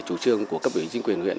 chủ trương của cấp ứng chính quyền huyện